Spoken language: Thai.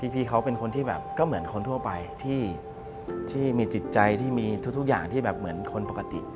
พี่เขาเป็นคนที่แบบก็เหมือนคนทั่วไปที่มีจิตใจที่มีทุกอย่างที่แบบเหมือนคนปกติ